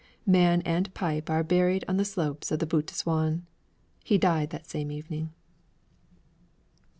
Man and pipe are buried on the slopes of the Butte de Souain. He died that same evening.